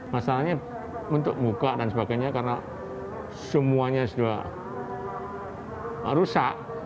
masalahnya untuk buka dan sebagainya karena semuanya sudah rusak